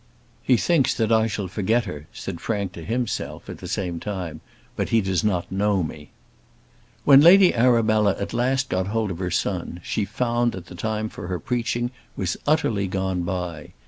"He thinks that I shall forget her," said Frank to himself at the same time; "but he does not know me." When Lady Arabella at last got hold of her son she found that the time for her preaching was utterly gone by.